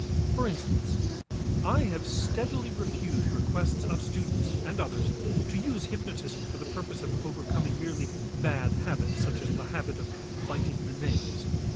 For instance, I have steadily refused requests of students and others to use hypnotism for the purpose of overcoming merely bad habits, such as the habit of biting the nails.